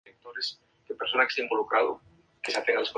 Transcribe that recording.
Las flores son blancas y en racimos.